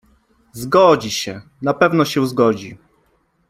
Zgodzi się, na pewno się zgodzi.